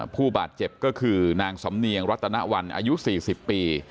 ผู้บาดเจ็บก็คือนางสำเนียงรัตนวันอายุ๔๐ปี